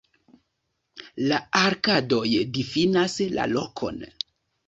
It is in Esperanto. La arkadoj difinas la lokon.